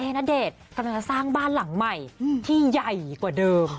ณเดชน์กำลังจะสร้างบ้านหลังใหม่ที่ใหญ่กว่าเดิม